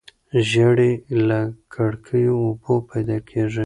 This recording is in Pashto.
زیړی له ککړو اوبو پیدا کیږي.